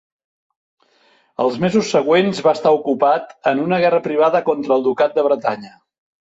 Els mesos següents va estar ocupat en una guerra privada contra el ducat de Bretanya.